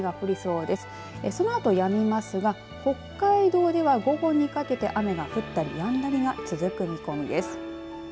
そのあと、やみますが北海道では午後にかけて雨が降ったりやんだりが続く見込みです。